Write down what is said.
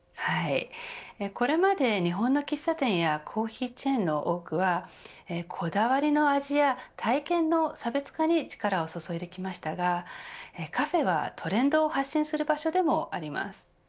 これまで日本の喫茶店やコーヒーチェーンの多くはこだわりの味や体験の差別化に力を注いできましたがカフェは、トレンドを発信する場所でもあります。